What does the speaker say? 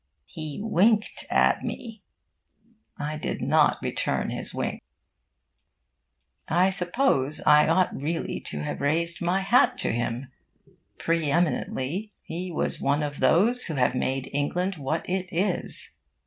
He winked at me. I did not return his wink. I suppose I ought really to have raised my hat to him. Pre eminently, he was one of those who have made England what it is.